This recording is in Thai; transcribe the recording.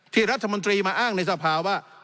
ที่รัฐมนตรีมาอ้างในสภาวะ